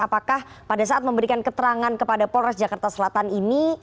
apakah pada saat memberikan keterangan kepada polres jakarta selatan ini